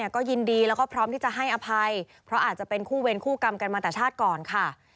ก็ยังเสียตัวกำกันมาตราชาติก่อนค่ะ